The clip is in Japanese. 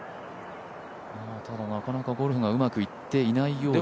ただ、なかなかゴルフがうまくいっていないようです。